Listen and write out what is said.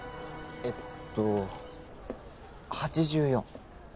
えっと８４。